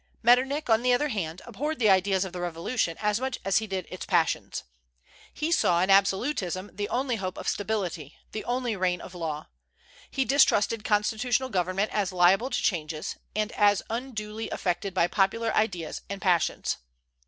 Metternich, on the other hand, abhorred the ideas of the Revolution as much as he did its passions. He saw in absolutism the only hope of stability, the only reign of law. He distrusted constitutional government as liable to changes, and as unduly affected by popular ideas and passions.